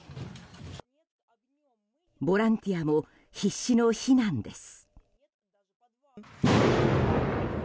ボランティアも必死の避難です。